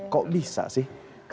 kok bisa sih